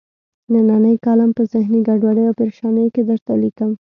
نننۍ کالم په ذهني ګډوډۍ او پریشانۍ کې درته لیکم.